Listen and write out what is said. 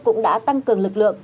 cũng đã tăng cường lực lượng